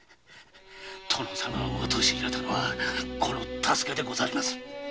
殿様を陥れたのはこの多助でございます。